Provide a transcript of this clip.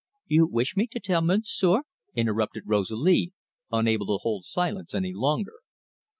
"You wish me to tell Monsieur?" interrupted Rosalie, unable to hold silence any longer.